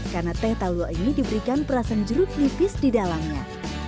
karena teh talua ini diberikan perasaan jeruk nipis di dalamnya